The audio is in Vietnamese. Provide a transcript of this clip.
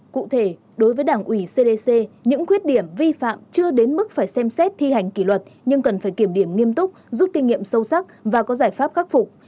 cụ thể đối với đảng ủy cdc những khuyết điểm vi phạm chưa đến mức phải xem xét thi hành kỷ luật nhưng cần phải kiểm điểm nghiêm túc rút kinh nghiệm sâu sắc và có giải pháp khắc phục